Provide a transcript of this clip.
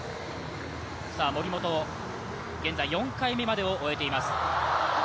森本、現在４回目までを終えています。